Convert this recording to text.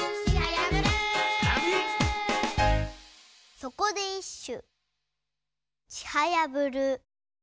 そこでいっしゅ。